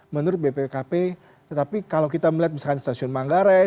menurut bpkp tetapi kalau kita melihat misalkan stasiun manggares